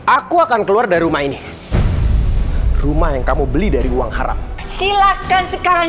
aku akan keluar dari rumah ini rumah yang kamu beli dari uang haram silakan sekarang